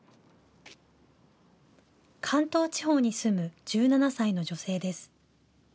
関東地方に住む１７歳の女性です。